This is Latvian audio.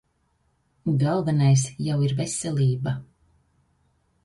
Galvenais jau ir vesel?ba.